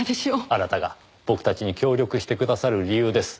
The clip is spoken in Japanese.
あなたが僕たちに協力してくださる理由です。